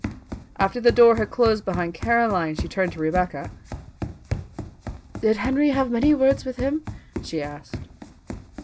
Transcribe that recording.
After the door had closed behind Caroline, she turned to Rebecca. "Did Henry have many words with him?" she asked.